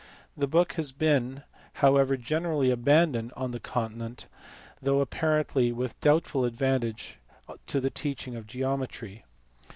The book has been however generally abandoned on the continent, though apparently with doubtful advantage to the teaching of geometry.